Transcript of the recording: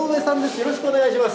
よろしくお願いします。